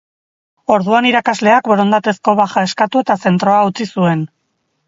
Orduan irakasleak borondatezko baja eskatu eta zentroa utzi zuen.